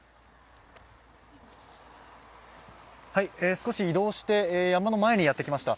少し移動して山の前にやってきました。